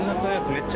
めっちゃ。